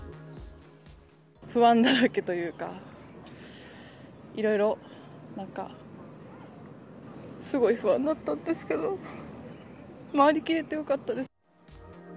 不安だらけというか、いろいろなんか、すごい不安だったんですけど、回りきれてよかったです。